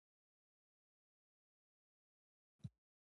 کندز سیند د افغانستان د بڼوالۍ برخه ده.